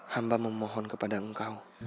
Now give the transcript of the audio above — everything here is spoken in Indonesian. hamba memohon kepada engkau